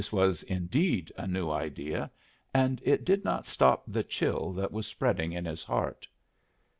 This was indeed a new idea, and it did not stop the chill that was spreading in his heart.